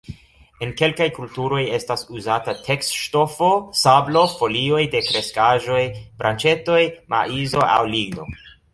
En kelkaj kulturoj estas uzata teks-ŝtofo, sablo, folioj de kreskaĵoj, branĉetoj, maizo aŭ ligno.